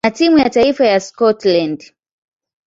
na timu ya taifa ya Scotland.